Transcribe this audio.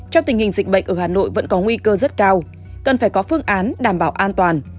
trong tình hình dịch bệnh ở hà nội vẫn có nguy cơ rất cao cần phải có phương án đảm bảo an toàn